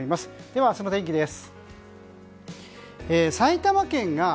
では明日の天気です。